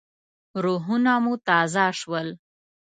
روحونه مو تازه شول.